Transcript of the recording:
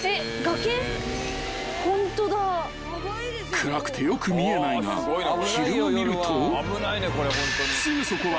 ［暗くてよく見えないが昼間見るとすぐそこは］